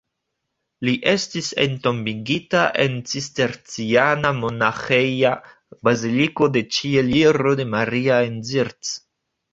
Li estis entombigita en Cisterciana Monaĥeja Baziliko de Ĉieliro de Maria en Zirc.